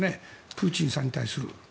プーチンさんに対する。